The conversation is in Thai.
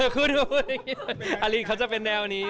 คุณพ่อพูดอย่างนี้อลันเขาจะเป็นแนวนี้